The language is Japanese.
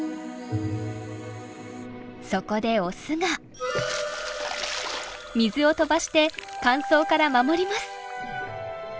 そこでオスが水を飛ばして乾燥から守ります。